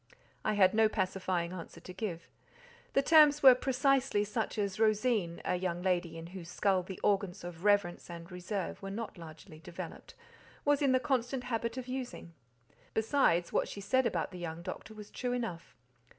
I had no pacifying answer to give. The terms were precisely such as Rosine—a young lady in whose skull the organs of reverence and reserve were not largely developed—was in the constant habit of using. Besides, what she said about the young doctor was true enough.